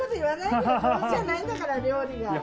上手じゃないんだから料理が。